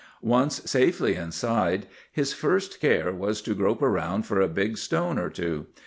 "Once safely inside, his first care was to grope around for a big stone or two.